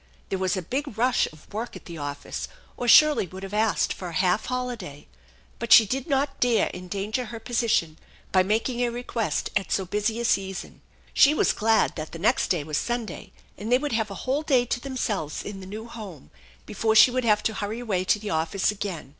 There was a big rush of work at the office, or Shirley would have asked for a half holiday ; but she did not dare endanger her position by making a request at so busy a season. She was glad that the next day was Sunday and they would have a whole day to themselves in the new home before she would have to hurry away to the office again.